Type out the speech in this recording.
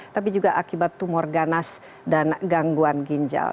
tapi juga akibat tumor ganas dan gangguan ginjal